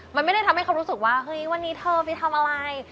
มันไม่ได้ทำให้เขารู้สึกว่าเฮ้ยวันนี้เธอไปทำอะไร